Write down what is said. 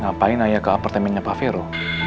ngapain naya ke apartemennya pak fero